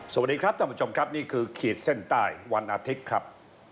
สวัสดีครับท่านผู้ชมครับนี่คือขีดเส้นใต้วันอาทิตย์ครับ